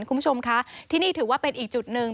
คุณผู้ชมคะที่นี่ถือว่าเป็นอีกจุดหนึ่ง